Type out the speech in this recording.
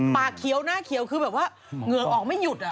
ปากเขียวหน้าเขียวคือแบบว่าเหงื่อออกไม่หยุด